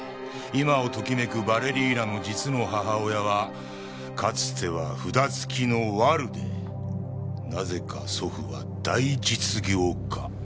今をときめくバレリーナの実の母親はかつては札付きのワルでなぜか祖父は大実業家。